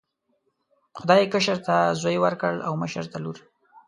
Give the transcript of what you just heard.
خدای کشر ته زوی ورکړ او مشر ته لور.